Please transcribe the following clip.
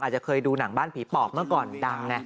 อาจจะเคยดูหนังบ้านผีปอบเมื่อก่อนดังไง